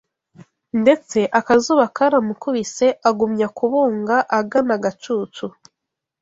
Ndetse akazuba karamukubise Agumya kubunga agana agacucu